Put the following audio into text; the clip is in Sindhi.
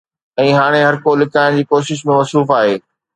۽ هاڻي هرڪو لڪائڻ جي ڪوشش ۾ مصروف آهي